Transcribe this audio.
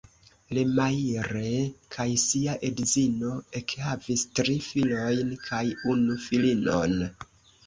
Lemaire kaj sia edzino ekhavis tri filojn kaj unu filinon.